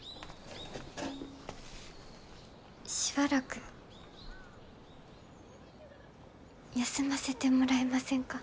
しばらく休ませてもらえませんか？